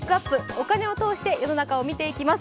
お金を通して世の中を見ていきます。